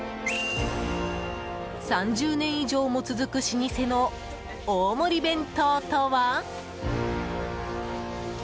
３０年以上も続く老舗の大盛り弁当とは？